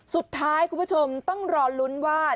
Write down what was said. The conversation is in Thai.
สุดท้ายคุณผู้ชมต้องรอลุ้นว่า